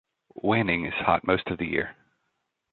Wanning is hot most of the year.